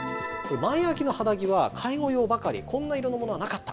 前開きの肌着は、介護用ばかり、こんないろんなものはなかった。